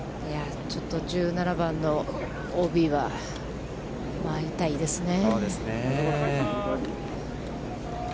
ちょっと１７番のＯＢは、痛いですね。